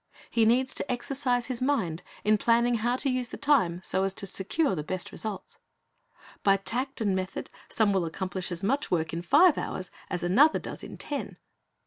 He needs to exercise his mind in planning how to use the time so as to secure the best results. By tact and method, some will accomplish as much work in five hours as another does in ten.